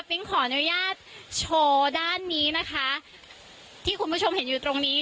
ขออนุญาตโชว์ด้านนี้นะคะที่คุณผู้ชมเห็นอยู่ตรงนี้